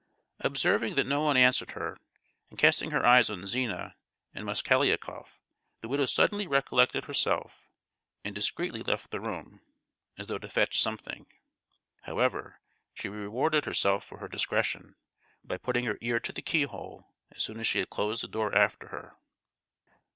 Observing that no one answered her, and casting her eyes on Zina and Mosgliakoff, the widow suddenly recollected herself, and discreetly left the room, as though to fetch something. However, she rewarded herself for her discretion, by putting her ear to the keyhole, as soon as she had closed the door after her.